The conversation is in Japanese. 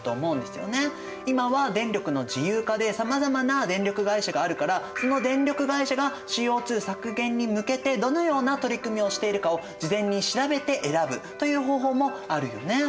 今は電力の自由化でさまざまな電力会社があるからその電力会社がＣＯ２削減に向けてどのような取り組みをしているかを事前に調べて選ぶという方法もあるよね。